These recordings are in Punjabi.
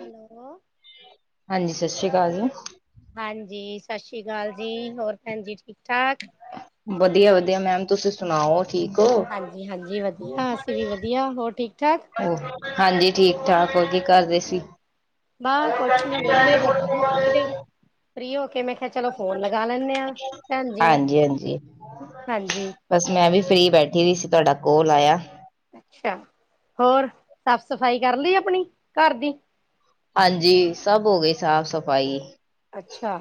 ਹੈਲੋ ਹਾਂਜੀ, ਸ਼ਸ਼ੀ ਕਾਲ ਜੀ। ਹਾਂਜੀ, ਸ਼ਸ਼ੀ ਕਾਲ ਜੀ। ਹੋਰ ਭੈਣ ਜੀ ਠੀਕ-ਠਾਕ। ਵਧੀਆ- ਵਧੀਆ ਮੈਮ। ਤੁਸੀ ਸੁਣਾਓ? ਠੀਕ ਓ? ਹਾਂਜੀ-ਹਾਂਜੀ ਵਧੀਆ, ਅਸੀ ਵੀ ਵਧੀਆ ਹੋਰ ਠੀਕ-ਠਾਕ। ਉਹ ਹਾਂਜੀ, ਠੀਕ-ਠਾਕ ਹੋਗੇ। ਹੋਰ, ‌ ਬਾਹ ਕੁਛ ਨੀ ਵੇਹਲੇ ਬੈਠੇ ਥੋੜੀ ਦੇਰ ਫ੍ਰੀ ਹੋ ਕੇ ਮੈਂ ਕਿਹਾ ਚਲੋ ਫੋਨ ਲਗਾ ਲੈਣੇ ਆ ਭੈਣ ਜੀ ਨੂੰ। ਹਾਂਜੀ ਹਾਂਜੀ ਹਾਂਜੀ ਬਸ ਮੈਂ ਵੀ ਫਰੀ ਬੈਠੀ ਹੋਈ ਸੀ ਤੁਹਾਡਾ ਕੋਲ ਆਇਆ। ਅੱਛਾ, ਹੋਰ ਸਾਫ਼-ਸਫ਼ਾਈ ਕਰ ਲਈ ਆਪਣੀ ਘਰ ਦੀ। ਹਾਂਜੀ ਸਭ ਹੋ ਗਈ ਸਾਫ਼-ਸਫ਼ਾਈ। ਅੱਛਾ,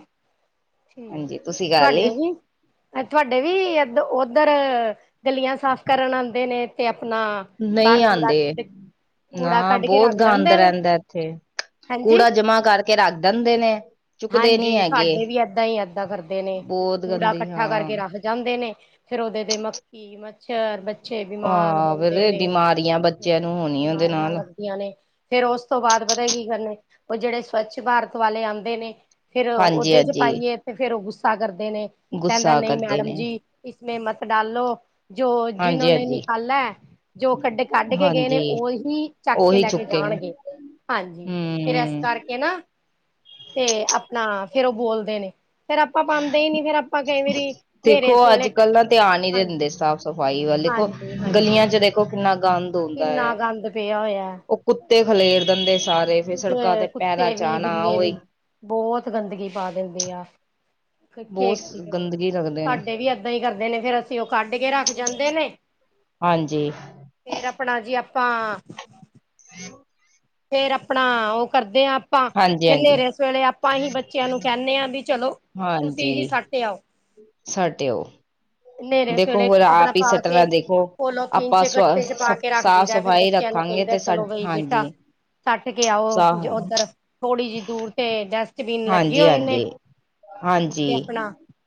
ਠੀਕ ਏ, ਹਾਂਜੀ ਤੁਸੀਂ ਕਰ ਤੁਹਾਡੇ ਲਈ ਵੀ। ਤੁਹਾਡੇ ਵੀ ਇਧ ਉਧਰ ਗਲੀਆਂ ਸਾਫ਼ ਕਰਨ ਆਦੇ ਨੇ ਤੇ ਆਪਣਾ। ਬਾਹਰ ਨਹੀਂ ਕੂੜਾ ਆਂਦੇ। ਕੂੜਾ ਨਾ ਕੱਢ ਕੇ ਬਹੁਤ ਰੱਖ ਗੰਦ ਜਾਂਦੇ ਨੇ ਰਹਿੰਦਾ ਇੱਥੇ ਹਾਂਜੀ। ਕੂੜਾ ਜਮਾ ਕਰਕੇ ਰੱਖ ਦਿੰਦੇ ਨੇ। ਚੁੱਕਦੇ ਨੀ ਹਾਂਜੀ, ਹੈਗੇ ਸਾਡੇ ਵੀ ਏਦਾਂ ਹੀ ਏਦਾਂ ਕਰਦੇ ਨੇ ਬਹੁਤ ਕੂੜਾ ਗੰਦੀ ਇਕੱਠਾ ਹਾਂ ਕਰਕੇ ਰੱਖ ਜਾਂਦੇ ਨੇ। ਫਿਰ ਉਹਦੇ ਦੇ ਮੱਖੀ, ਮੱ- ਛਰ ਬੱਚੇ ਬਿਮਾਰ ਆਹ ਹੁੰਦੇ ਵੀਰੇ ਨੇ। ਬਿਮਾਰੀਆਂ ਬੱਚਿਆਂ ਨੂੰ ਹੋਣੀ ਉਹਦੇ ਬਿਮਾਰੀਆਂ ਨਾਲ ਲੱਗ‌ ਜਾਂਦੀਆ ਨੇ। ਫਿਰ ਉਸ ਤੋਂ ਬਾਅਦ ਪਤਾ ਕੀ ਕਰਨੇ ਉਹ ਜਿਹੜੇ ਸਵੱਛ ਭਾਰਤ ਵਾਲੇ ਆਦੇ ਨੇ ਫਿਰ ਹਾਂਜੀ ਓਦੇ ਚ ਹਾਂਜੀ ਪਾਈਏ ਤੇ ਫੇਰ ਉਹ ਗੁੱਸਾ ਕਰਦੇ ਨੇ, ਕਹਿੰਦਾ ਗੁੱਸਾ ਨਹੀਂ ਕਰਦੇ ਮੈਡਮ ਨੇ ਜੀ। ਇਸਮੇ ਮਤ ਡਾਲੋ ਜੋ ਜਿਨੋ ਨੇ ਹਾਂਜੀ-ਹਾਂਜੀ, ਨਿਕਾਲਾ ਜੋ ਕੱਢੇ ਕੱਢ ਹਾਂਜੀ ਕੇ ਗਏ ਨੇ। ਹਾਂਜੀ ਉਹੀ ਚੱਕ ਕੇ ਉਹੀ ਲੈ ਕੇ ਚੁੱਕੇਗੇ ਜਾਣਗੇ। ਹਾਂਜੀ ਫਿਰ ਇਸ ਹੂੰ ਕਰਕੇ ਨਾ ਤੇ ਆਪਣਾ ਫਿਰ ਉਹ ਬੋਲਦੇ ਨੇ। ਫੇਰ ਆਪਾਂ ਪਾਦੇ ਹੀ ਨੀ ਫਿਰ ਆਪਾਂ ਕਈ ਵਾਰੀ ਹਨੇਰੇ ਦੇਖੋ ਇਸ ਵੇਲੇ, ਅੱਜ-ਕੱਲ ਨਾ ਧਿਆਨ ਨੀ ਹਾਂਜੀ ਦਿੰਦੇ ਸਾਫ਼ ਸਫ਼ਾਈ ਵੱਲ ਦੇਖੋ ਹਾਂਜੀ ਹਾਂਜੀ ਗਲੀਆਂ ਚ ਦੇਖੋ ਕਿੰਨਾ ਗੰਦ ਹੁੰਦਾ ਏ। ਕਿੰਨਾ ਗੰਦ ਪਿਆ ਹੋਇਆ ਉਹ ਕੁੱ- ਕੁੱਤੇ ਖਲੇਰ ਦਿੰਦੇ ਸਾਰੇ। ਫਿਰ ਕੁਝ ਸੜਕਾਂ ਤੇ ਪੈਰਾਂ ਕੁੱਤੇ ਚ ਵੀ ਆਨਾ ਬਿੱਲੇ ਵੀ ਉਹੀ। ਬਹੁਤ ਗੰਦਗੀ ਪਾ ਦਿੰਦੇ ਆ ਕੇ ਬਹੁਤ ਕਰੀਏ ਕਰੋ। ਗੰਦਗੀ ਰੱਖਦੇ ਨੇ ਸਾਡੇ ਵੀ ਏਦਾਂ ਹੀ ਕਰਦੇ ਨੇ। ਫਿਰ ਅਸੀ ਉਹ ਕੱਢ ਕੇ ਰੱਖ ਜਾਂਦੇ ਨੇ। ਹਾਂਜੀ ਫੇਰ ਆਪਣਾ ਜੀ ਆਪਾਂ [unintelligible] ਫੇਰ ਆਪਣਾ ਉਹ ਕਰਦੇ ਆ ਆਪਾਂ। ਫਿਰ ਹਾਂਜੀ-ਹਾਂਜੀ, ਹਨੇਰੇ ਸਵੇਲੇ ਆਪਾਂ ਹੀ ਬੱਚਿਆਂ ਨੂੰ ਕਹਿਣੇ ਵੀ ਚਲੋ। ਤੁਸੀ ਹੀ ਸੱਟ ਆਓ। ਸੱਟ ਆਓ। ਨੇਰੇ ਦੇਖੋ ਸਵੇਰੇ ਹੋਰ ਆਪਣਾ ਆਪ ਹੀ ਪਾ ਕੇ ਸੱਟਣਾ ਦੇਖੋ, ਪੋਲੋਥੀਨ ਆਪਾਂ ਚ ਸ ਗੱਟੇ ਚ ਪਾ ਕੇ ਰੱਖ ਦਈਦਾ ਫੇਰ ਸਾਫ਼-ਸਫ਼ਾਈ ਬੱਚਿਆਂ ਨੂੰ ਰੱਖਾਗੇ ਕਹੀਦਾ ਤੇ ਸਾਡ ਚਲੋ ਬਈ ਬੇਟਾ ਹਾਂਜੀ। ਸੱਟ ਕੇ ਆਓ ਜੋ ਉੱਧਰ ਥੋੜ੍ਹੀ ਜਿਹੀ ਦੂਰ ਤੇ ਡਸਟਬੀਨ ਲੱਗੇ ਹੋਏ ਨੇ। ਹਾਂਜੀ-ਹਾਂਜੀ ਹਾਂਜੀ।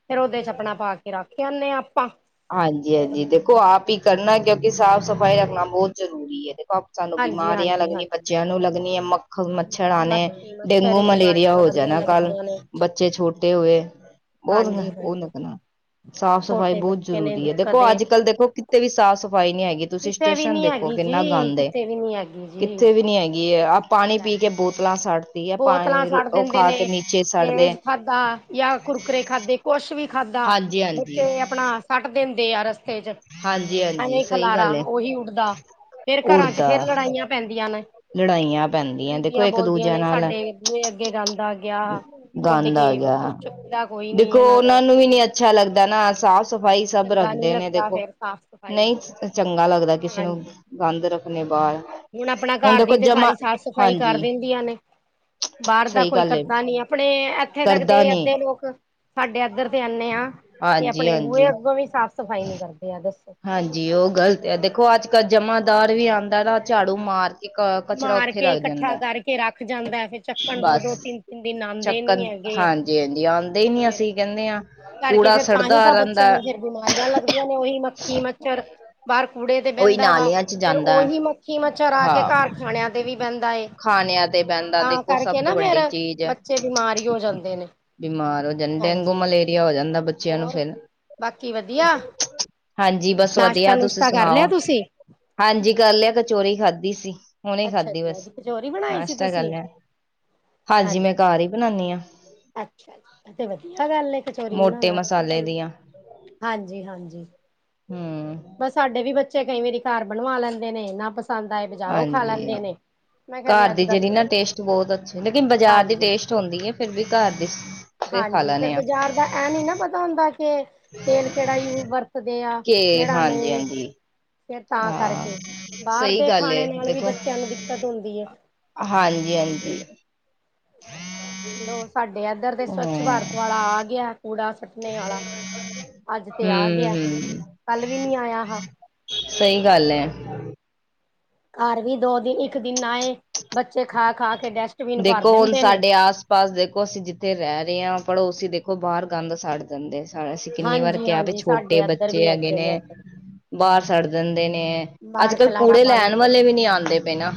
ਫਿਰ ਉਹਦੇ 'ਚ ਆਪਣਾ ਪਾ ਕੇ ਰੱਖ ਆਣੇ ਹਾਂ ਆਪਾਂ। ਹਾਂਜੀ ਹੋਰ ਹਾਂਜੀ। ਦੇਖੋ ਕੀ ਆਪ ਹੀ ਕਰੀਏ ਕਰਨਾ ਕਿਉਕਿ ਸਾਫ਼-ਸਫ਼ਾਈ ਰੱਖਣਾ ਬਹੁਤ ਜ਼ਰੂਰੀ ਏ ਦੇਖੋ ਆਪ ਸਾਨੂੰ ਹਾਂਜੀ ਬਿਮਾਰੀਆਂ ਹਾਂਜੀ ਲੱਗਣੀ, ਹਾਂਜੀ ਬੱਚਿਆਂ ਨੂੰ ਲੱਗਣੀਆਂ ਮੱਖ- ਖ ਮੱਛਰ ਆਣੇ ਮੱਖੀ ਮੱਛਰ ਡੇਂਗੂ ਇਹ ਮਲੇਰੀਆ ਬਿਮਾਰੀਆਂ ਹੋ ਬੜੀਆਂ ਜਾਣਾ ਕੱਲ੍ਹ ਲੱਗਦੀਆਂ ਨੇ ਬੱਚੇ ਛੋਟੇ ਹੋਏ। ਬਹੁਤ ਹਾਂਜੀ ਉਹ ਹਾਂਜੀ ਲੱਗਣਾ ਸਾਫ਼-ਸਫ਼ਾਈ ਛੋਟੇ ਬਹੁਤ ਬੱਚੇ ਨੇ ਜ਼ਰੂਰੀ ਏ ਦੇਖੋ ਦਿੱਕਤ ਅੱਜ ਕੱਲ ਦੇਖੋ ਕਿਤੇ ਵੀ ਸਾਫ਼ ਸਫ਼ਾਈ ਨੀ ਹੈਗੀ ਤੁਸੀਂ ਕਿਤੇ ਵੀ ਸਟੇਸ਼ਨ ਨੀ ਦੇਖੋ ਹੈਗੀ ਕਿੰਨਾ ਜੀ ਗੰਦ ਏ ਕਿਤੇ ਵੀ ਨੀ ਹੈਗੀ ਜੀ ਕਿੱਥੇ ਵੀ ਨੀ ਹੈਗੀ ਏ ਉਹ ਆ ਦਿੱਕਤ ਪਾਣੀ ਹੈ ਪੀ ਕੇ ਬੋਤਲਾਂ ਛੱਡਤੀ ਬੋਤਲਾਂ ਛੱਡ ਦਿੰਦੇ ਨੇ ਸੜਦੇ ਲੇਜ ਖਾਧਾ ਜਾਂ ਕੁਰਕਰੇ ਖਾਧੇ। ਕੁਛ ਵੀ ਖਾਧਾ ਹਾਂਜੀ ਹਾਂਜੀ ਬੱਚੇ ਆਪਣਾ ਸੱਟ ਦਿੰਦੇ ਆ ਰਸਤੇ 'ਚ' ਹਾਂਜੀ ਏਨਾਂ ਹਾਂਜੀ ਈ ਸਹੀ ਖਲਾਰਾ ਗੱਲ ਹੈ ਉਹੀ ਉੱਡਦਾ ਫੇਰ ਘਰਾਂ 'ਚ' ਉੜਦਾ ਫਿਰ ਲੜਾਈਆਂ ਪੈਂਦੀਆਂ ਨੇ ਲੜਾਈਆਂ ਪੈਂਦੀਆਂ ਦੇਖੋ ਇੱਕ ਦੂਜਿਆਂ ਨਾਲ ਬੂਏ ਅੱਗੇ ਗੰਦ ਆ ਗਿਆ ਉੱਡ ਗੰਦ ਆ ਕੇ ਗਿਆ ਬੱਚੇ ਚੁੱਕਦਾ ਕੋਈ ਨੀ ਦੇਖੋ। ਇਹਨਾਂ ਦਾ ਉਹਨਾਂ ਨੂੰ ਵੀ ਨੀ ਅੱਛਾ ਲੱਗਦਾ ਹਾਂਜੀ ਨਾ ਸਾਫ਼ ਸਫ਼ਾਈ ਸਭ ਚੰਗਾ ਨੀ ਰੱਖਦੇ ਨੇ ਲੱਗਦਾ ਦੇਖੋ ਫੇਰ ਸਾਫ਼ ਸਫ਼ਾਈ ਨਹੀਂ ਚੰਗਾ ਲੱਗਦਾ ਕਿਸੇ ਨੂੰ ਵੀ ਹਾਂਜੀ ਗੰਦ ਰੱਖਣੇ ਬਾਹਰ ਹੁਣ ਆਪਣਾ ਘਰ ਦੇਖੋ ਦੀ ਤੇ ਜਮਾ ਸਾਰੀ ਸਾਫ਼ ਸਫ਼ਾਈ ਕਰ ਹਾਂਜੀ ਦਿੰਦੀਆਂ ਨੇ ਬਾਹਰ ਦਾ ਸਹੀ ਕੋਈ ਗੱਲ ਏ ਕਰਦਾ ਨੀ ਆਪਣੇ ਇੱਥੇ ਤੱਕ ਤੇ ਕਰਦਾ ਨੀ ਅੱਧੇ ਲੋਕ ਸਾਡੇ ਇੱਧਰ ਤੇ ਇਹਨੇ ਆ ਕਿ ਹਾਂਜੀ ਆਪਣੇ ਬੂਹੇ ਹਾਂਜੀ ਅੱਗੋਂ ਵੀ ਸਾਫ਼ ਸਫ਼ਾਈ ਨੀ ਕਰਦੇ ਆ ਦੱਸੋ। ਹਾਂਜੀ ਉਹ ਗਲਤ ਆ ਦੇਖੋ ਅੱਜ- ਕੱਲ੍ਹ ਜਮਾਦਾਰ ਵੀ ਆਉਂਦਾ ਨਾ ਝਾੜੂ ਮਾਰ ਇੱਕ ਕੱਚਰਾਂ ਮਾਰ ਉੱਥੇ ਰੱਖ ਇਕੱਠਾ ਜਾਂਦਾ ਐ। ਕਰਕੇ ਕੇ ਰੱਖ ਜਾਂਦਾ ਫਿਰ ਚੱਕਣ ਦੋ- ਦੋ ਤਿੰਨ- ਤਿੰਨ ਦਿਨ ਆਉਂਦੇ ਨੀ ਚੱਕਣ ਹੈਗੇ ਹਾਂਜੀ ਹਾਂਜੀ ਆਉਂਦੇ ਹੀ ਨੀ ਫੇਰ ਅਸੀਂ ਕਹਿੰਦੇ ਹਾਂ ਕਰਕੇ ਕੂੜਾ ਫਿਰ ਤਾਂ ਹੀ ਸੜਦਾ ਤਾਂ ਬੱਚਿਆਂ ਰਹਿੰਦਾ ਨੂੰ ਫਿਰ ਬਿਮਾਰੀਆਂ ਲੱਗਦੀਆਂ ਨੇ ਉਹੀ ਮੱਖੀ ਮੱਛਰ ਬਾਹਰ ਕੂੜੇ ਤੇ ਉਹੀ ਬਹਿੰਦਾ ਵਾ ਨਾਲਿਆਂ ਚ ਫਿਰ ਜਾਂਦਾ ਉਹੀ ਹੈ। ਮੱਖੀ ਮੱਛਰ ਆ ਕੇ ਹਾਂ ਘਰ ਖਾਣਿਆਂ ਤੇ ਵੀ ਬਹਿੰਦਾ ਏ। ਖਾਣਿਆਂ ਤੇ ਬਹਦਾ ਦੇਖੋ ਸਭ ਤੋਂ ਵੱਡੀ ਚੀਜ਼ ਤੇ ਬਿਮਾਰ ਈ ਹੋ ਜਾਂਦੇ ਨੇ ਬਿਮਾਰ ਹੋ ਜਾਂਦਾ ਡੇਂਗੂ ਹਾਂਜੀ ਮਲੇਰੀਆ ਹੋ ਜਾਂਦਾ ਬੱਚ ਬੱਚਿਆਂ ਨੂੰ ਹੋਰ ਫਿਰ ਬਾਕੀ ਵਧੀਆ [unintelligible] ਹਾਂਜੀ ਬਸ ਨਾਸ਼ਤਾ ਵਧੀਆ ਤੁਸੀਂ ਨੁਸ਼ਤਾ ਕਰ ਲਿਆ ਸੁਣਾਓ। ਤੁਸੀਂ? ਹਾਂਜੀ ਕਰ ਲਿਆ ਕਚੋਰੀ ਖਾਧੀ ਸੀ ਹੁਨੀ ਅੱਛਾ ਖਾਧੀ ਜੀ ਬਸ ਅੱਜ ਕਚੋਰੀ ਬਣਾਈ ਸੀ ਨਾਸ਼ਤਾ ਕਰ ਤੁਸੀਂ? ਲਿਆ। ਹਾਂਜੀ ਮੈਂ ਘਰ ਹੀ ਬਣਾਣੀ ਆ। ਅੱਛਾ ਤੇ ਵਧੀਆ ਗੱਲ ਕਚੋਰੀ ਮੋਟੇ ਬਣਾਉਣਾ ਅੱਛੀ ਮਸਾਲੇ ਗੱਲ ਦੀਆਂ ਹਾਂਜੀ- ਹਾਂਜੀ। ਹੂ ਬਸ ਸਾਡੇ ਬੱਚੇ ਕਈ ਵਾਰੀ ਘਰ ਬਣਵਾ ਲੈਂਦੇ ਨੇ ਨਾ ਪਸੰਦ ਆਏ। ਬਜ਼ਾਰੋਂ ਖਾ ਹਾਂਜੀ ਲੈਂਦੇ ਨੇ। ਮੈਂ ਕਿਹਾ ਘਰ ਵੀ ਦੀ ਅੱਜ-ਕੱਲ ਜਿਹੜੀ ਦੇ ਨਾ ਬੱਚੇ ਟੇਸਟ ਬਹੁਤ ਅੱਛੇ ਲੇਕਿਨ ਬਾਜ਼ਾਰ ਦੀ ਹਾਂਜੀ। ਟੇਸਟ ਚੋਦੀ ਹੈ ਫਿਰ ਵੀ ਘਰ ਦੀ ਖਾ ਹਾਂਜੀ ਫਿਰ ਲੈਣੇ ਆ ਬਾਜ਼ਾਰ ਦਾ ਇਹ ਨੀ ਨਾ ਪਤਾ ਹੁੰਦਾ ਕਿ ਤੇਲ ਕਿਹੜਾ ਯੂ ਵਰਤਦੇ ਆ। ਕੇ ਕਿਹੜਾ ਹਾਂਜੀ ਨਹੀਂ। ਹਾਂਜੀ ਫਿਰ ਤਾਂ ਹਾਂ ਕਰਕੇ ਬਾਹਰ ਸਹੀ ਦੇ ਗੱਲ ਖਾਣੇ ਏ ਨਾਲ ਵੀ ਬੱਚਿਆਂ ਨੂੰ ਦਿੱਕਤ ਹੁੰਦੀ ਏ। ਹਾਂਜੀ-ਹਾਂਜੀ। ਲੋ ਸਾਡੇ ਇੱਧਰ ਦੇ ਹਮ ਸਵੱਛ ਭਾਰਤ ਵਾਲਾ ਆ ਗਿਆ ਕੂੜਾ ਨੇ ਆਲਾ [inaudible] ਅੱਜ 'ਤੇ ਆ ਹਮ ਗਿਆ [inaudible] ਹਮ ਕੱਲ ਵੀ ਨੀ ਆਇਆ ਆਹਾ। ਸਹੀ ਗੱਲ ਐ। ਘਰ ਵੀ ਦੋ ਦਿਨ ਇੱਕ ਦਿਨ ਨਾ ਆਏ ਬੱਚੇ ਖਾ-ਖਾ ਕੇ ਡਸ ਦੇਖੋ ਹੁਣ ਸਾਡੇ ਆਸ-ਪਾਸ ਦੇਖੋ ਅਸੀਂ ਜਿੱਥੇ ਰਹਿ ਰਹੇ ਹਾਂ, ਪੜ੍ਹੋ ਅਸੀਂ ਦੇਖੋ ਬਾਹਰ ਗੰਦ ਸਾੜਦੇ ਜਾਂਦੇ ਸਾਰ ਅਸੀਂ ਕਿੰਨੀ ਵਾਰ ਹਾਂਜੀ ਕਿਹਾ ਵੀ ਹਾਂਜੀ ਸਾਡੇ ਛੋਟੇ ਇੱਧਰ ਬੱਚੇ ਵੀ ਹੈਗੇ ਇੱਧਰ ਹੀ ਨੇ ਇੱਧਰ ਬਾਹਰ ਛੱੜ ਦਿੰਦੇ ਨੇ, ਬਾਹਰ ਅੱਜ-ਕੱਲ੍ਹ ਖਿਲਾਰਾ ਕੂੜੇ ਪਾ ਲੈਣ ਦਿੰਦੇ ਵਾਲੇ ਵੀ ਨੇ ਨੀ ਆਉਂਦੇ ਪਏ ਨਾ।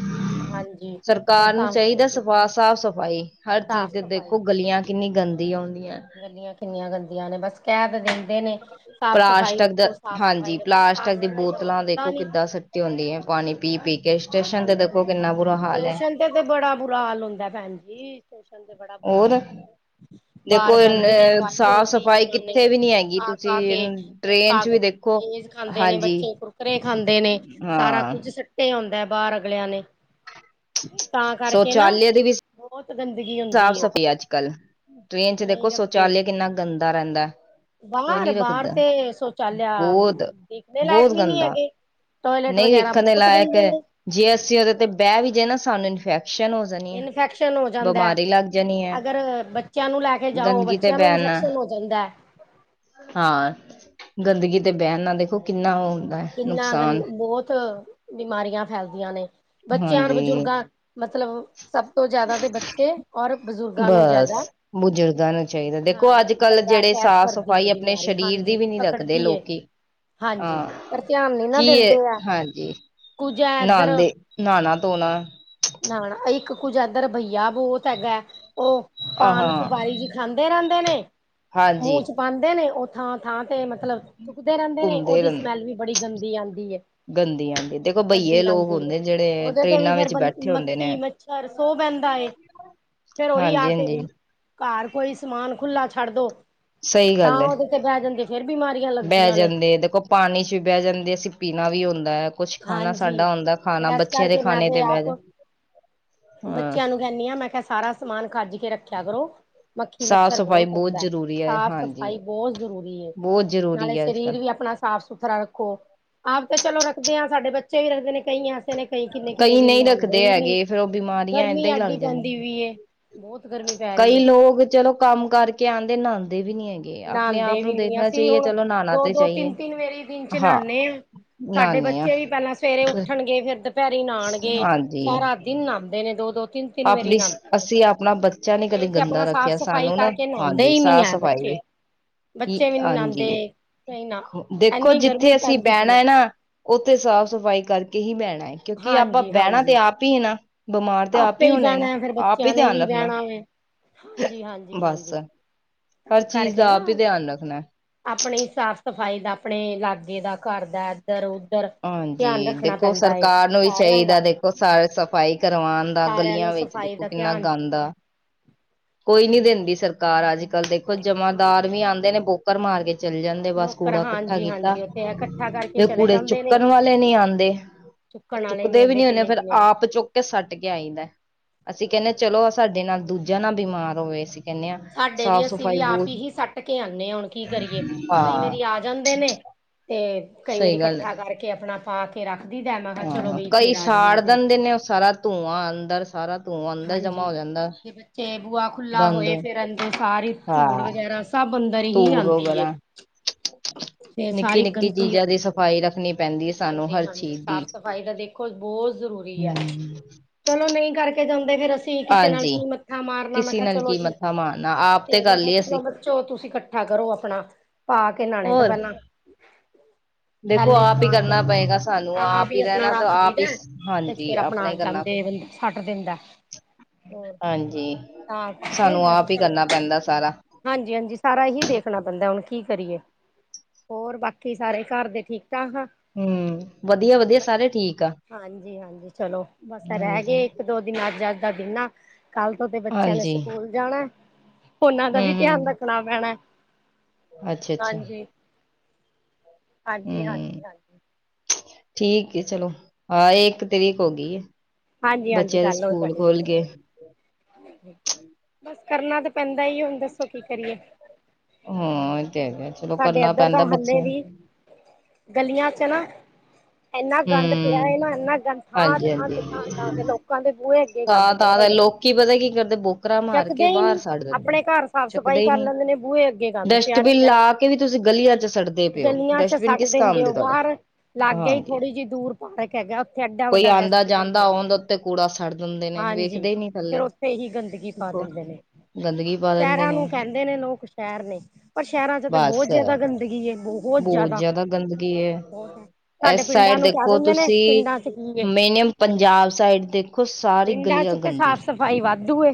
ਹਾਂਜੀ, ਫਿਰ ਤਾਂ ਕਰਕੇ ਹਾਂ ਸਾਫ਼-ਸਫ਼ਾਈ ਹਰ ਚੀਜ਼ ਸਾਫ਼ 'ਤੇ ਸਫ਼ਾਈ ਦੇਖੋ ਗਲੀਆਂ ਕਿੰਨੀ ਗੰਦੀ ਆਉਂਦੀਆਂ। ਗੱਲੀਆਂ ਕਿੰਨੀਆਂ ਗੰਦੀਆਂ ਨੇ ਬਸ ਕਹਿ ਤਾਂ ਦਿੰਦੇ ਨੇ ਸਾਫ਼ ਸਫ਼ਾਈ ਪਲਾਸਟਿਕ ਰੱਖੋ ਸਾਫ਼ ਹਾਂਜੀ, ਸਫ਼ਾਈ ਰੱਖੋ ਸਾਫ਼ ਪਲਾਸਟਿਕ ਦੀ ਸਫ਼ਾਈ ਤਾਂ ਕੋਈ ਬੋਤਲਾਂ ਕਰਦਾ ਦੇਖੋ ਨੀ ਕਿੱਦਾਂ ਸੁੱਟ ਤੇ ਹੁੰਦੀ ਐ, ਪਾਣੀ ਪੀ-ਪੀ ਕੇ ਸਟੇਸ਼ਨ 'ਤੇ ਦੇਖੋ ਕਿੰਨਾ ਬੁਰਾ ਹਾਲ ਐ। 'ਤੇ-ਤੇ ਬੜਾ ਬੁਰਾ ਹਾਲ ਹੁੰਦਾ ਭੈਣ ਜੀ, ਸ਼ਟੇਸਨ 'ਤੇ ਬੜਾ ਬੁਰਾ ਹਾਲ ਹੋਰ ਹੁੰਦਾ। ਬਾਹਰ ਦੇਖੋ ਗੰਦਗੀ ਏਨ ਪਾਈ ਹੁੰਦੀ ਹੈ ਸਾਫ਼-ਸਫ਼ਾਈ ਉਹਨਾਂ ਕਿੱਥੇ ਨੇ ਵੀ ਨੀ ਹੈਗੀ, ਤੁਸੀਂ ਟ੍ਰਰੇਨ 'ਚ' ਵੀ ਦੇਖੋ ਲੇਜ਼ ਖਾਂਦੇ ਨੇ ਹਾਂਜੀ ਬੱਚੇ ਕਰੂ ਕੁਰਕਰੇ ਖਾਂਦੇ ਨੇ, ਸਾਰਾ ਹਾਂ ਕੁੱਝ ਸੱਟੇ ਆਉਂਦਾ ਐ ਬਾਹਰ ਅਗਲਿਆਂ ਨੇ ਤਾਂ ਕਰਕੇ ਨਾਂ [inaudible] ਸਾਫ਼-ਸਫੀ ਅੱਜ-ਕੱਲ ਟ੍ਰੇਨ 'ਚ' ਦੇਖੋ ਨਹੀਂ ਰੱਖਦੇ ਸ਼ੌਚਾਲਯ ਕਿੰਨਾ ਗੰਦਾ ਰਹਿੰਦਾ। ਕੋਈ ਬਾਹਰ ਨੀ ਬਾਹਰ ਰੱਖਦਾ, ਤੇ [inaudible] ਸ਼ੌਚਾਲਿਆ ਬਹੁਤ ਦੇਖਣੇ [inaudible] ਲਾਇਕ ਬਹੁਤ ਵੀ ਨਹੀਂ ਗੰਦਾ ਹੈਗੇ ਟੋਇਲੇਟ ਨਹੀਂ ਵਗੈਰਾ ਵੇਖਣ ਦੇ ਬਹੁਤ ਲਾਇਕ, ਗੰਦੇ ਨੇ ਜੇ ਅਸੀਂ ਉਹਦੇ 'ਤੇ ਬਹਿ ਵੀ ਜੇ ਨਾ ਸਾਨੂੰ ਇਨਫੈਕਸ਼ਨ ਹੋ ਜਾਣੀ ਹੈ ਇਨਫੈਕਸ਼ ਨ ਹੋ ਜਾਂਦਾ ਬਿਮਾਰੀ ਲੱਗ ਜਾਣੀ [inaudible] ਹੈ ਅਗਰ ਬੱਚਿਆਂ ਨੂੰ ਲੈ ਕੇ ਜਾਓ, ਗੰਦਗੀ ਤੇ ਬੱਚਿਆਂ ਨੂੰ ਬਹਿਣਾ ਇਨਫੈਕਸ਼ਨ ਹੋ ਜਾਂਦਾ। ਹਾਂ, [inaudible] ਗੰਦਗੀ 'ਤੇ ਬਹਿਣ ਨਾਲ ਦੇਖੋ ਕਿੰਨਾ ਉਹ ਹੈ ਕਿੰਨਾ ਗੰ ਨੁਕਸਾਨ ਬਹੁਤ ' [inaudible] ' ਬਿਮਾਰੀਆਂ ਫੈਲਦੀਆਂ ਨੇ ਬੱਚਿਆਂ ਔਰ ਹਾਂਜੀ ਬਜ਼ੁਰਗਾਂ ਮਤਲਬ, ਸਭ ਤੋਂ ਜਿਆਦਾ 'ਤੇ ਬੱਚੇ ਔਰ ਬਜ਼ੁਰਗਾਂ ਨੂੰ ਬਸ, ਜ਼ਿਆਦਾ ਬਜ਼ੁਰਗਾਂ ਨੂੰ ਚਾਹੀਦਾ ਦੇਖੋ ਹਾਂ ਅੱਜ-ਕੱਲ੍ਹ ਜ਼ਿਆਦਾ ਜਿਹੜੇ ਅਟੈਚ ਸਾਫ਼- ਕਰਦੀ ਸਫ਼ਾਈ ਹੈ ਅ ਆਪਣੇ ਬਿਮਾਰੀ ਸਰੀਰ ਦੀ ਹਾਂਜੀ ਵੀ ਨਹੀਂ ਰੱਖਦੇ ਪਕੜਦੀ ਏ ਲੋਕੀ ਹਾਂਜੀ, ਹਾਂ ਪਰ ਧਿਆਨ ਨੀ ਨਾ ਦਿੰਦੇ ਆ, [inaudible] ਐ ਨਾਂਦੇ, ਨਾਂਣਾ ਧੋਣਾ ਨਾ-ਨਾ ਇੱਕ ਕੁੱਜਾਦਰ ਬਈਆ ਬੋਤ ਹੈਗਾ, ਉਹ ਆਹ ਪਾਨ ਸੁਪਾਰੀ ਜੀ ਖਾਂਦੇ ਰਹਿੰਦੇ ਨੇ, [inaudible] ਹਾਂਜੀ ਮੂੰਹ 'ਚ' ਪਾਉਦੇ ਨੇ ਉਹ ਥਾਂ-ਥਾਂ 'ਤੇ ਮਤਲਬ ਥੁੱਕਦੇ ਰਹਿੰਦੇ ਨੇ, ਉਹਦੀ ਸਮੈਲ ਬੜੀ ਗੰਦੀ ਆਂਦੀ ਐ। ਗੰਦੀ ਆਂਦੀ, ਦੇਖੋ ਬਹੀਏ ਗੰਦੀ ਲੋਕ ਹੁੰਦੇ, ਜਿਹੜੇ ਟ੍ਰਰੇਨਾਂ ਵਿੱਚ ਬੈਠੇ ਹੁੰਦੇ ਨੇ ਮੱਖੀ-ਮੱਛਰ ਸੋ ਬੈਨਦਾ ਏ, ' [inaudible] ' ਫੇਰ ਉਹੀ ਆ ਹਾਂਜੀ ਕੇ ਹਾਂਜੀ ਘਾਰ ਕੋਈ ਸਮਾਨ ਖੁੱਲ੍ਹਾ ਛੱਡ ਦੋ ਸਹੀ ਤਾਂ ਗੱਲ ਹੈ ਉਹਦੇ 'ਤੇ ਬਹਿ ਜਾਂਦੇ, ਫੇਰ ਬਿਮਾਰੀਆਂ ਬਹਿ ਲੱਗਦੀਆਂ ਨੇ। ਜਾਂਦੇ ਦੇਖੋ ਪਾਣੀ 'ਚ' ਵੀ ਬਹਿ ਜਾਂਦੇ ਅਸੀਂ ਪੀਣਾ ਵੀ ਹੁੰਦਾ ਕੁਛ ਖਾਣਾ ਹਾਂਜੀ, ਸਾਡਾ ਹੁੰਦਾ। ਖਾਣਾ ਫੇਰ ਇਸ ਬੱਚਿਆਂ ਦੇ ਕਰਕੇ ਮੈਂ ਖਾਣੇ 'ਤੇ ਬਹਿ ਆਪ ਜਾ [inaudible] ਹਾਂ ਬੱਚਿਆਂ ਨੂੰ ਕਹਿਣੀ ਆਂ। ਮੈਂ ' [unintelligible] ' ਸਾਰਾ ਸਮਾਨ ਖੱਜ ਕੇ ਰੱਖਿਆ ਕਰੋ। ਸਾਫ਼ ਮੱਖੀ-ਮੱਛਰ ਸਫ਼ਾਈ ਬਹੁਤ ਆਉਂਦਾ, ਜ਼ਰੂਰੀ ਹੈ ਹਾਂਜੀ ਸਾਫ਼-ਸਫ਼ਾਈ ਬਹੁਤ ਜ਼ਰੂਰੀ ਏ, ਬਹੁਤ ਨਾਲੇ ਜ਼ਰੂਰੀ ਹੈ ਅੱਜ ਸਰੀਰ ਕੱਲ੍ਹ ਵੀ ਆਪਣਾ ਸਾਫ਼-ਸੁਥਰਾ ਰੱਖੋ, ਆਪ 'ਤੇ ਚਲੋ ਰੱਖਦੇ ਆ, ਸਾਡੇ ਬੱਚੇ ਵੀ ਰੱਖਦੇ ਨੇ ਕਈਆ ' [unintelligible] ' ਕਈ ਕਿੰਨੇ-ਕਿੰਨੇ ਦਿਨ ਨਾਉਂਦੇ ਈ ਨੀ। ਫਿਰ ਉਹ ਬਿਮਾਰੀਆਂ ਗਰਮੀ ਏਦਾਂ ਹੀ ਲੱਗ ਐਡੀ ਪੈਂਦੀ ਜਾਂਦੀਆਂ, ਵੀ ਏ ' ਬਹੁਤ [inaudible] ਗਰਮੀ ' ਪੈ ਰਹੀ ਕਈ ਏ ਲੋਗ ਚਲੋ ਕੰਮ ਕਰਕੇ ਆਂਦੇ, ਨਾਦੇ ਵੀ ਨੀ ਐ। ਨਾਂਦੇ ਵੀ ਨੀ, ਅਸੀਂ ਹੁਣ, ਤੇ ਦੋ-ਦੋ, ਚਾਹੀਏ ਤਿੰਨ-ਤਿੰਨ ਵੇਰੀ ਦਿਨ 'ਚ' ਹਾਂ ਨਾਂਣੇ ਆ। ਸਾਡੇ ਨਹਾਨੇ ਆ ਬੱਚੇ ਵੀ ਪਹਿਲਾਂ ਸਵੇਰੇ ਉੱਠਣਗੇ, ਫਿਰ ਦੁਪਹਿਰੀ ਨਾਂਣਗੇ ਸਾਰਾ ਦਿਨ ਨਾਂਣਦੇ ਨੇ ਦੋ-ਦੋ, ਤਿੰਨ ਤਿੰਨ ਵਾਰੀ ਆਪਲੀਸ, ਨਹਾਂਦੇ ਨੇ ਅਸੀਂ ਆਪਣਾ ਬੱਚਾ ਤੇ ਨੀ ਕਦੇ ਕਈ ਤੇ ਗੰਦਾ ਆਪਣਾ ਸਾਫ਼ ਰੱਖਿਆ, ਸਫ਼ਾਈ ਸਾਨੂੰ ਨਾ, ਕਰਕੇ ਨਹਾਂਦੇ ਹਾਂਜੀ ਹੀ ਨੀ ਹੈ ਸਾਫ਼-ਸਫ਼ਾਈ ਬੱਚੇ ਦੇ ਈ ਬੱਚੇ ਵੀ ਨੀ ਨਹਾਂਦੇ ਹਾਂਜੀ, ਨਹੀਂ ਨਾ ਦੇਖੋ ਇੰਨੀ ਗਰਮੀ ਜਿੱਥੇ ਅਸੀਂ ਪੈਂਦੀ ਪਈ ਏ ਬਹਿਣਾ ਨਾ ਉੱਥੇ ਸਾਫ਼-ਸਫ਼ਾਈ ਕਰਕੇ ਹੀ ਬਹਿਣਾ ਐ, ਕਿਉਂਕਿ ਆਪਾਂ ਹਾਂਜੀ ਬਹਿਣਾ ਤੇ ਹਾਂਜੀ ਆਪ ਹੀ ਨਾ। ਬਿਮਾਰ ਤੇ ਆਪ ਆਪ ਆਪੇ ਹੀ ਹੋਣਾ ਏ ਨਾ, ਬਹਿਣਾ ਫਿਰ ਆਪ ਹੀ ਬੱਚਿਆਂ ਨੇ ਧਿਆਨ ਵੀ ਰੱਖਣਾ ਬਹਿਣਾ ਵੇ ਹਾਂਜੀ ਹਾਂਜੀ ਬੱਸ। ਹਾਂਜੀ ਹਰ ਤਾਂ ਚੀਜ਼ ਕਰਕੇ ਦਾ ਆਪ ਈ ਨਾ ਧਿਆਨ ਰੱਖਣਾ। ਆਪਣੀ ਸਾਫ਼-ਸਫ਼ਾਈ ਦਾ, ਆਪਣੇ ਲਾਗੇ ਦਾ ਘਰ ਦਾ ਇੱਧਰ ਉਧਰ ਹਾਂਜੀ ਧਿਆਨ ਰੱਖਣਾ ਦੇਖੋ, ਪੈਂਦਾ ਏ ਸਰਕਾਰ ਨੂੰ ਵੀ ਸਾਰਿਆਂ ਦਾ ਚਾਹੀਦਾ, ਦੇਖੋ ਸਾਰੇ ਸਫ ਸਫ਼ਾਈ ਕਰਵਾਣ ਦਾ, ਸਾਰਿਆਂ ਨੂੰ ਗਲੀਆਂ ਵਿੱਚ ਸਫ਼ਾਈ ਦੇਖੋ ਦਾ ਕਿੰਨਾ ਧਿਆਨ ਗੰਦ ਰੱਖੀਦਾ। ਆ। ' [inaudible] ' ਕੋਈ ਨੀ ਹਾਂਜੀ ਦਿੰਦੀ ਹਾਂਜੀ ਸਰਕ ਘਰ ਅੱਜ-ਕੱਲ੍ਹ ਦੇਖੋ, ਜਮਾਂਦਾਰ ਵੀ ਆਉਂਦੇ ਨੇ ਬੋਕਰ ਮਾਰ ਕੇ ਚੱਲ ਜਾਂਦੇ ਬਸ ਬੋਕਰ ਕੂੜਾ ਇਕੱਠਾ ਹਾਂਜੀ ਕੀਤਾ, ਹਾਂਜੀ ਉੱਥੇ ਇਕੱਠਾ ਕਰਕੇ ਫਿਰ ਚਲੇ ਕੂੜੇ ਚੁ ਜਾਂਦੇ ਨੇ ਚੁੱਕਣ ਵਾਲੇ ਨੀ ਆਂਦੇ, ਚੁੱਕਣ ਵਾਲੇ ਚੁੱਕਦੇ ਵੀ ਆਉਂਦੇ ਨੀ ਹੁੰਦੇ। ਕਿੰਨੇ ਫਿਰ ਕਿੰਨੇ ਦੇ ਆਪ ਚੁੱਕ ਕੇ ਸੁੱਟ ਕੇ ਆਈਦਾ, ਅਸੀਂ ਕਹਿਣੇ ਚਲੋ ਸਾਡੇ ਨਾਲ ਦੂਜਾ ਨਾ ਬਿਮਾਰ ਹੋਵੇ ਸੀ। ਸਾਡੇ ਵੀ ਅਸੀਂ ਵੀ ਆਪ ਹੀ ਸੁੱਟ ਕੇ ਆਂਣੇ ਹਾਂ, ਹੁਣ ਕੀ ਕਰੀਏ, ਕਈ ਹਾਂ ਵਾਰੀ ਆ ਜਾਂਦੇ ਨੇ। ਤੇ ਕਈ ਵਾਰੀ ਸਹੀ ਗੱਲ ਹੈ ਇਕੱਠਾ ਕਰਕੇ ਆਪਣਾ ਪਾ ਕੇ ਰੱਖਦੀ ਦਾ, ਮੈਂ ਕਿਹਾ ਚਲੋ ਹਾਂ ਬਈ ਕਈ ਫੇਰ ਆ ਜਾਣਾ। ਸਾੜ ਫਿਰ [unintelligible] ਧੂੰਆਂ ਅੰਦਰ ਸਾਰਾ ਧੂੰਆਂ। ਅੰਦਰ ਜਮਾ ਹਾਂਜੀ, ਹੋ ਜਾਂਦਾ ਤੇ ਬੱਚੇ ਬੂਆ ਖੋ ਖੁੱਲਾ ਗੰਦ ਹੋਏ ਫਿਰ ਅੰਦਰ ਸਾਰੀ ਧੂੜ ਹਾਂ ਵਗੈਰਾ ਸਭ ਅੰਦਰ ਹੀ ਧੂੜ ਆਂਦੀ ਐ। ਵਗੈਰਾ [inaudible] ਫਿਰ ਨਿੱਕੀ ਸਾਰੀ ਨਿੱਕੀ ਗੰਦੀ ਚੀਜ਼ਾਂ ਦੀ ਆਉਂਦੀ ਹੈ। ਸਫ਼ਾਈ ਰੱਖਣੀ ਪੈਂਦੀ ਹੈ ਸਾਨੂੰ ਹਰ ਹਾਂਜੀ-ਹਾਂਜੀ, ਚੀਜ਼ ਦੀ ਸਾਫ਼ ਸਫ਼ਾਈ ਦਾ ਦੇਖ ਖੁਝ ਬਹੁਤ ਜ਼ਰੂਰੀ ਐ, ਹਮ ਚਲੋ ਨਹੀਂ ਕਰਕੇ ਜਾਂਦੇ, ਫਿਰ ਅਸੀਂ ਤੇ ਕਿਸੇ ਨਾਲ ਹਾਂਜੀ ਕੀ ਮੱਥਾ ਮਾਰਨਾ, ਮੈਂ ਕਿਸੇ ਕਿਹਾ ਨਾਲ ਚਲੋ ਕੀ ਜੀ ਮੱਥਾ ਮਾਰਨਾ ਆਪ ਤੇ ਕਰ ਮੈਂ ਕਿਹਾ ਲਈਏ ਅਸੀਂ ਚਲੋ ਚਲੋ, ਤੁਸੀਂ ਇਕੱਠਾ ਕਰੋ, ਆਪਣਾ ਪਾ ਕੇ ਨਾਹਣੇ ਤੋਂ ਹੋਰ ਪਹਿਲਾਂ। ਦੇਖੋ ਥੈਲੇ 'ਚ' ਆਪ ਹੀ ਪਾ ਕੇ ਕਰਨਾ ਆਪਣਾ ਪਏਗਾ ਸਾਨੂੰ ਆਪ ਵੀ ਹੀ ਆਪਣਾ ਰਹਿਣਾ ਤੇ ਰੱਖ ਆਪ ਦਈਦਾ ਹੀ ਤੇ ਹਾਂਜੀ ਫੇਰ ਆਪਣਾ ਹੀ ਕਰਨਾ ਜਾਂਦੇ ਬੰਦਾ ਛੱ ਛੱਡ ਦਿੰਦਾ। ਹਾਂਜੀ ਸਾਨੂੰ ਆਪ ਹੀ ਕਰਨਾ ਪੈਂਦਾ ਸਾਰਾ [unintelligible] ਹਾਂਜੀ-ਹਾਂਜੀ ਸਾਰਾ ਹੀ ਦੇਖਣਾ ਪੈਂਦਾ, ਹੁਣ ਕੀ ਕਰੀਏ। ਹੋਰ ਬਾਕੀ ਸਾਰੇ ਘਰ ਦੇ ਠੀਕ-ਠਾਕ ਆ? ਹਮ ਵਧੀਆ ਵਧੀਆ ਸਾਰੇ ਠੀਕ ਆ ਹਾਂਜੀ-ਹਾਂਜੀ, ਚਲੋ ਬਸ ਰਹਿ ਹਾਂਜੀ ਗਏ ਦੋ ਦਿਨ ਅੱਜ-ਅੱਜ ਦਾ ਦਿਨ ਆ, ਕੱਲ ਤੋਂ ਤੇ ਬੱਚਿਆਂ ਨੇ ਹਾਂਜੀ ਸਕੂਲ ਜਾਣਾ। ਉਹਨਾਂ ਦਾ ਹਮ ਵੀ ਧਿਆਨ ਰੱਖਣਾ ਪੈਣਾ। ਅੱਛਾ-ਅੱਛਾ-ਅੱਛਾ। ਹਮ ਹਾਂਜੀ-ਹਾਂਜੀ-ਹਾਂਜੀ। ਠੀਕ ਐ ਚਲੋ, ਹਾਂ ਇੱਕ ਤਰੀਕ ਹੋ ਗਈ ਐ। ਹਾਂਜੀ ਹਾਂਜੀ ਬੱਚਿਆਂ ਦੇ ਗੱਲ ਹੋ ਸਕੂਲ ਜਾਣੀ ਖੁੱਲ ਹੈ ਗਏ। ਬਸ ਕਰਨਾ ਤਾਂ ਪੈਂਦਾ ਈ ਆ, ਹੁਣ ਦੱਸੋ ਕੀ ਕਰੀਏ? ਹਾਂ ਇਹ ਤੇ ਹੈਗਾ, ਚਲੋ ਸਾਡੇ ਕਰਨਾ ਇੱਧਰ ਪੈਂਦਾ ਤਾਂ ਹਾਲੇ ਬੱਚਿਆਂ ਵੀ ਨੂੰ। ਗਲੀਆਂ 'ਚ ਨਾ ਇੰਨਾ ਗੰਦ ਪਿਆ ਹਮ ਐ ਨਾ ਇੰਨਾ ਗੰਦ ਹਾਂਜੀ ਥਾਂ-ਥਾਂ ਤੇ ਥਾਂ-ਥਾਂ ਤੇ ਲੋਕਾਂ ਦੇ ਬੂਹੇ ਅੱਗੇ ਗੰਦ ਪਿਆ ਥਾਂ-ਥਾਂ ਤੇ ਹੈ ਲੋਕੀ ਪਤਾ ਕੀ ਕਰਦੇ ਬਹੁ ਬੋਕਰਾਂ ਮਾਰ ਚੱਕਦੇ ਕੇ ਹੀ ਬਾਹਰ ਨੀ ਸੱਡ ਦਿੰਦੇ ਆ ਆਪਣੇ ਘਰ ਸਾਫ਼ ਸਫ਼ਾਈ ਚੁੱਕਦੇ ਕਰ ਨਹੀਂ। ਲੈਂਦੇ ਨੇ ਬੂਹੇ ਅੱਗੇ ਗੰਦ ਪਿਆ ਡਸਟਬਿਨ ਰਹਿੰਦਾ ਹੈ। ਲਾ ਕੇ ਕੇ ਵੀ ਤੁਸੀਂ ਗਲੀਆਂ 'ਚ ਸਿਡਦੇ ਪਏ ਉ, ਗਲੀਆਂ ਚ ਡਸਟਬਿਨ ਸੱਟ ਕਿਸ ਕੰਮ ਦਿੰਦੇ ਦੇ ਹੋ ਤੁਹਾਡੇ। ਬਾਹਰ ਲਾਗੇ ਹੀ ਹਾਂਜੀ ਥੋੜ੍ਹੀ ਜਿਹੀ ਦੂਰ ਪਾਰਕ ਹੈਗਾ ਉੱਥੇ ਐਡਾ ਕੋਈ ਵੱਡਾ ਆਉਂਦਾ ਡਸਟਬਿਨ ਜਾਂਦਾ ਪਿਆ ਉਹਦੇ ਉੱਤੇ ਕੂੜਾ ਸਿਡ ਦਿੰਦੇ ਨੇ, ਵੇਖਦੇ ਹੀ ਨੀ। ਥੱਲੇ ਫਿਰ ਉੱਥੇ ਹੀ ਗੰਦਗੀ ਪਾ ਦੇਖੋ ਦਿੰਦੇ ਨੇ। ਗੰਦਗੀ ਬਹੁ ਸ਼ਹਿਰਾਂ ਨੂੰ ਕਹਿੰਦੇ ਨੇ ਲੋਕ ਸ਼ਹਿਰ ਨੇ, ਪਰ ਸ਼ਹਿਰਾਂ 'ਚ ਤਾਂ ਬਸ ਬਹੁਤ ਜ਼ਿਆਦਾ ਗੰਦਗੀ ਐ ਬਹੁ ਬਹੁਤ ਜ਼ਿਆਦਾ ਗੰਦਗੀ ਹੈ। ਸਾਡੇ ਇਸ ਪਿੰਡਾਂ ਸਾਈਡ ਨੂੰ ਕਹਿ ਦੇਖੋ ਦਿੰਦੇ ਨੇ ਤੁਸੀਂ ਪਿੰਡਾਂ ਚ ਕੀ ਏ ਮਿਨਅਮ ਪੰਜਾਬ ਸਾਈਡ ਦੇਖੋ ਸਾਰੀ ਪਿੰਡਾਂ ਗਲੀਆਂ ਚ ਤੇ ਗੰਦੀ ਸਾਫ਼ ਸਫ਼ਾਈ ਵਾਧੂਏ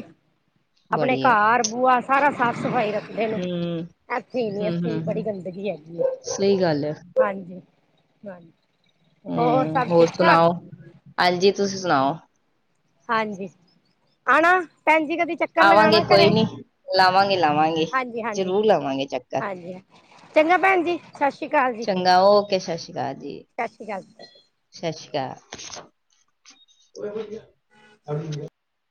ਆਪਣੇ ਬੜੀ ਹੈ ਘਰ ਬੂਆ ਸਾਰਾ ਸਾਫ਼- ਸਫ਼ਾਈ ਰੱਖ ਹਮ। ਇੱਥੇ ਨੀ ਹਮ ਇੱਥੇ ਹਮ ਹਮ ਬੜੀ ਗੰਦਗੀ ਹੈਗੀ ਆ ਸਹੀ ਗੱਲ ਹੈ ਹਾਂਜੀ -ਹਾਂਜੀ। ਹਮ ਸਭ ਹੋਰ ਠੀਕ ਠਾਕ ਸੁਣਾਓ, ਹਾਂਜੀ ਤੁਸੀਂ ਸੁਣਾਓ। ਹਾਂਜੀ, ਆਣਾ ਭੈਣ ਜੀ ਕਦੀ ਚੱਕ ਆਵਾਂਗੇ ਕੋਈ ਨਹੀਂ। ਲਾਵਾਂਗੇ-ਲਾਵਾਂਗੇ ਹਾਂਜੀ ਹਾਂਜੀ ਜ਼ਰੂਰ ਲਾਵਾਂਗੇ ਚੱਕਰ। ਸਾਸ੍ਰੀ ਅਕਾਲ। ਚੰਗਾ ਓਕੇ, ਸ਼ਸ੍ਰੀ ਅਕਾਲ ਜੀ। ਸਾਸ੍ਰੀ ਕਾਲ। ਸਾਸ਼੍ਰੀ ਅਕਾਲ।